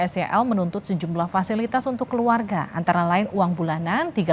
sel menuntut sejumlah fasilitas untuk keluarga antara lain uang bulanan